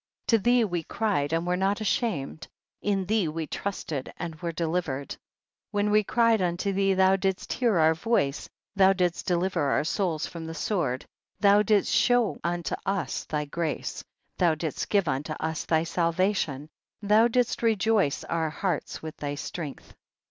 6. To thee we cried and were not ashamed, in thee we trusted and were delivered ; when we cried unto thee, thou didst hear our voice, thou didst deliver our souls from the sword, thou didst show unto us thy grace, thou didst give unto us tliy salvation, thou didst rejoice our hearts with thy strength.